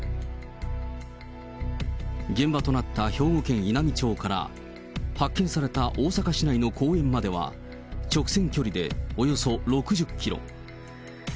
現場となった兵庫県稲美町から、発見された大阪市内の公園までは、直線距離でおよそ６０キロ。